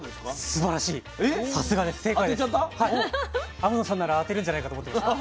天野さんなら当てるんじゃないかと思ってました。